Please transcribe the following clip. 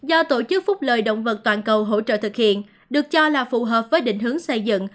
do tổ chức phúc lời động vật toàn cầu hỗ trợ thực hiện được cho là phù hợp với định hướng xây dựng